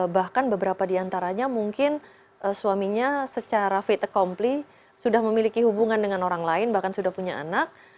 bahkan beberapa di antaranya mungkin suaminya secara fait accompli sudah memiliki hubungan dengan orang lain bahkan sudah punya anak